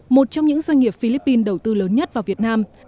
một trong những doanh nghiệp philippines đầu tư lớn nhất vào việt nam